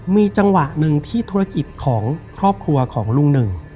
มีจังหวะหนึ่งที่ธุรกิจของครอบครัวของลุงหนึ่ง